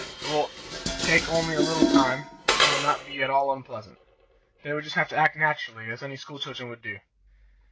"It will take only a little time, and it will not be at all unpleasant. They will just have to act naturally, as any school children would do."